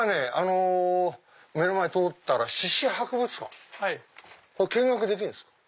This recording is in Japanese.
目の前通ったら獅子博物館見学できるんですか？